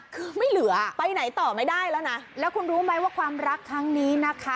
คือไม่เหลือไปไหนต่อไม่ได้แล้วนะแล้วคุณรู้ไหมว่าความรักครั้งนี้นะคะ